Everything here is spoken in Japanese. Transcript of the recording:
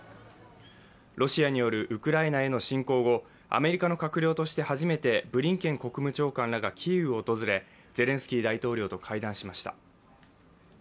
ロシアによるウクライナへの侵攻後、アメリカの閣僚として初めてブリンケン国務長官らがキーウを訪れゼレンスキー大統領と会談しました。